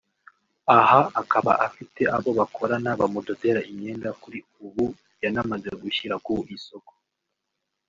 aha akaba afite abo bakorana bamudodera imyenda kuri ubu yanamaze gushyira ku isoko